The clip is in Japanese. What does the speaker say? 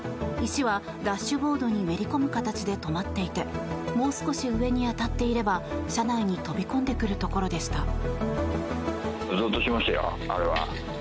石はダッシュボードにめり込む形で止まっていてもう少し上に当たっていれば車内に飛び込んでくるところでした。